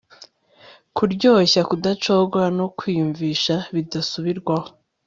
Kuryoshya kudacogora no kwiyumvisha bidasubirwaho